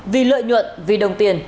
vì lợi nhuận vì đồng tiền